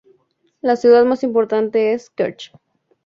La ciudad más importante es Kerch.